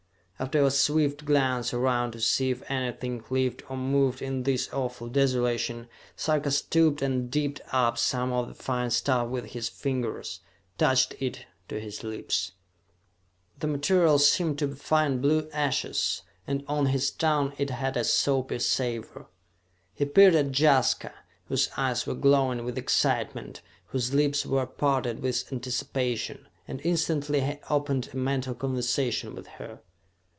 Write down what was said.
After a swift glance around to see if anything lived or moved in this awful desolation, Sarka stooped and dipped up some of the fine stuff with his fingers, touched it to his lips. The material seemed to be fine blue ashes and on his tongue it had a soapy savor. He peered at Jaska, whose eyes were glowing with excitement, whose lips were parted with anticipation, and instantly he opened a mental conversation with her.